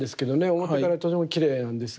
表側とてもきれいなんですが。